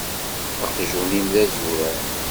Aqjun-im d azuran.